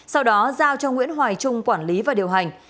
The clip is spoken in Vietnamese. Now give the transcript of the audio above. sau đó giao cho nguyễn hoài trung quản lý và điều hành